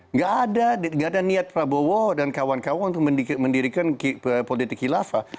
nggak ada niat prabowo dan kawan kawan untuk mendirikan politik khilafah